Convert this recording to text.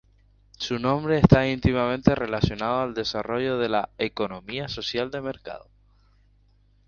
Su nombre está íntimamente relacionado al desarrollo de la "Economía social de mercado".